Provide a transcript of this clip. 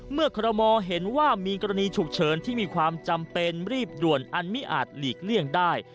คอรมอเห็นว่ามีกรณีฉุกเฉินที่มีความจำเป็นรีบด่วนอันมิอาจหลีกเลี่ยงได้